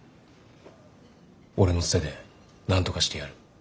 俺のツテでなんとかしてやる。